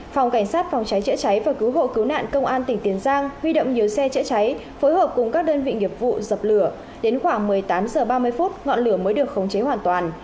phòng cảnh sát phòng cháy chữa cháy và cứu hộ cứu nạn công an tỉnh tiền giang huy động nhiều xe chữa cháy phối hợp cùng các đơn vị nghiệp vụ dập lửa đến khoảng một mươi tám h ba mươi ngọn lửa mới được khống chế hoàn toàn